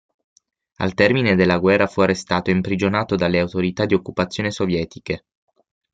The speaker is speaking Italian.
Al termine della guerra fu arrestato e imprigionato dalle autorità di occupazione sovietiche.